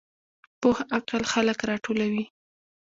پوخ عقل خلک راټولوي